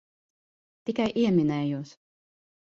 Tikai ieminējos.